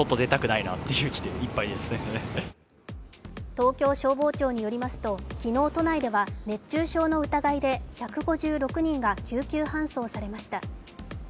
東京消防庁によりますと昨日、都内では熱中症の疑いで１５６人が救急搬送されました。